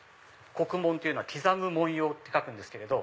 刻紋というのは刻む文様って書くんですけれど。